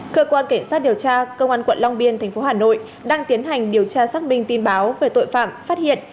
cơ quan cảnh sát điều tra công an quận long biên tp hà nội đang tiến hành điều tra xác minh tin báo về tội phạm phát hiện